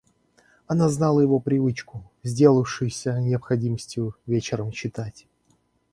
Она знала его привычку, сделавшуюся необходимостью, вечером читать.